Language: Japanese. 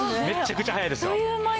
めっちゃくちゃ早いですよ。